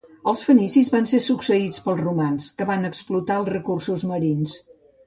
Els fenicis van ser succeïts pels romans, que van explotar els recursos marins.